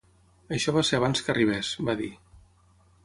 "Això va ser abans que arribés," va dir.